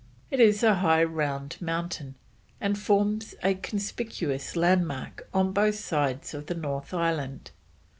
It is a high round mountain, and forms a conspicuous landmark on both sides of the North Island.